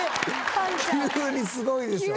急にすごいでしょ。